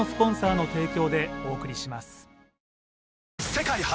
世界初！